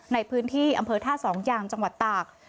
ในพื้นที่อำเภอท่าสองยางจังหวัดตาก